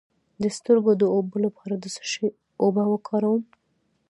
د سترګو د اوبو لپاره د څه شي اوبه وکاروم؟